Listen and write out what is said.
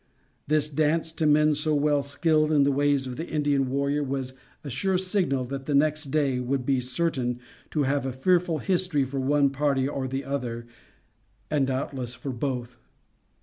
This dance, to men so well skilled in the ways of the Indian warrior, was a sure signal that the next day would be certain to have a fearful history for one party or the other and doubtless for both.